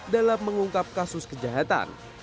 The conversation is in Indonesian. dalam mengungkap kasus kejahatan